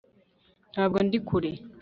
ntabwo ndi kure